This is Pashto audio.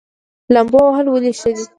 لامبو وهل ولې ښه دي؟